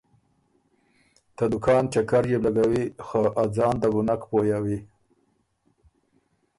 ته دُکان چکر يې بو لګوی خه ا ځان ده بو نک پویَوی۔